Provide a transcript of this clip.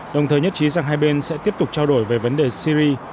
đồng thời nhất trí rằng hai bên sẽ tiếp tục trao đổi về vấn đề syri